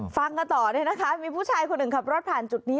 ฟังกันต่อเนี่ยนะคะมีผู้ชายคนหนึ่งขับรถผ่านจุดนี้